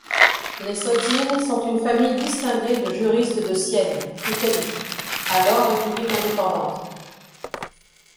Les Sozzini sont une famille distinguée de juristes de Sienne, Italie, alors république indépendante.